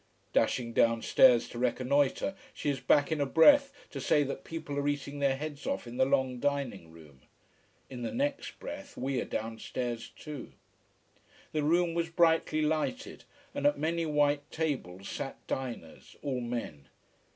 Dashing downstairs to reconnoitre, she is back in a breath to say that people are eating their heads off in the long dining room. In the next breath we are downstairs too. The room was brightly lighted, and at many white tables sat diners, all men.